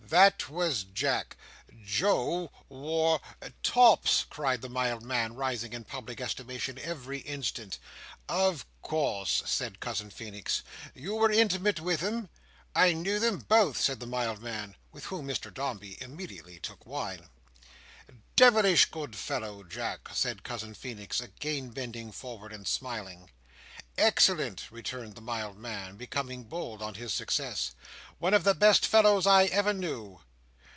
"That was Jack. Joe wore—" "Tops!" cried the mild man, rising in public estimation every Instant. "Of course," said Cousin Feenix, "you were intimate with em?" "I knew them both," said the mild man. With whom Mr Dombey immediately took wine. "Devilish good fellow, Jack!" said Cousin Feenix, again bending forward, and smiling. "Excellent," returned the mild man, becoming bold on his success. "One of the best fellows I ever knew."